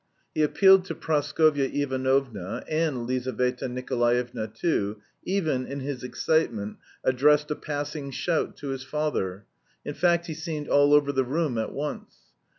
He appealed to Praskovya Ivanovna, and Lizaveta Nikolaevna too, even, in his excitement, addressed a passing shout to his father in fact he seemed all over the room at once.